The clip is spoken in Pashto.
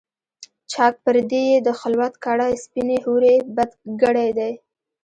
چاک پردې یې د خلوت کړه سپیني حوري، بد ګړی دی